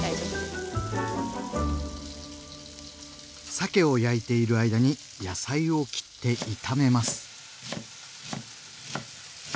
さけを焼いている間に野菜を切って炒めます。